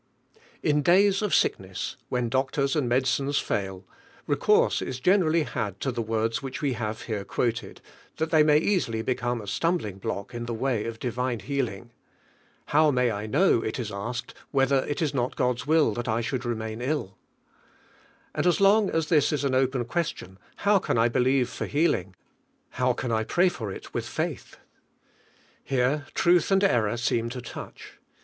IN flays of sickness, when doctors and medicines fail, recourse is generally hud to the words we Lave here quoted, and they may easily become a stumbling block in the way of divine healing. How may 1 know, it is asked, whether it is not Clod's will tluil 1 should remain ill? And as long :is liiis is an open question, how can l believe for healing, how can l pray far it Willi faithf Here Irulb and error seem to touch.